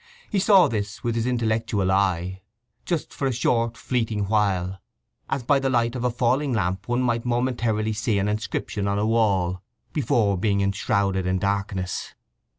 He saw this with his intellectual eye, just for a short fleeting while, as by the light of a falling lamp one might momentarily see an inscription on a wall before being enshrouded in darkness.